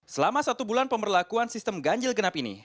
selama satu bulan pemberlakuan sistem ganjil genap ini